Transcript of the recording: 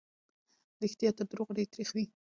رښتيا تر دروغو ډېر تريخ وي.